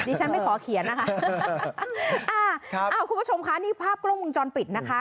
ดิฉันไม่ขอเขียนนะคะคุณผู้ชมคะนี่ภาพกล้องมึงจรปิดนะคะ